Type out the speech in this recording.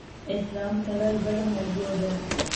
احرام تړل بله موضوع ده.